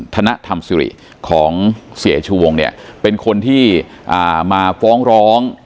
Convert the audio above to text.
ธรรมสิริของเสียชูวงเนี่ยเป็นคนที่มาฟ้องร้อง